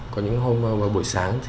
có những hôm bữa sáng